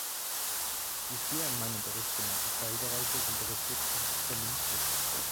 Die vier in meinem Bericht genannten Teilbereiche sind richtig und vernünftig.